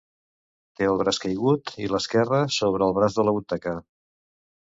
Té el braç caigut i l'esquerra sobre el braç de la butaca.